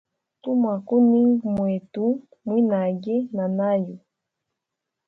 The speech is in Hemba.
Tumwa kuninga mwetu mwinage na nayu.